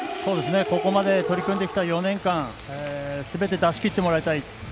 ここまで取り組んできた４年間すべて出しきってもらいたい。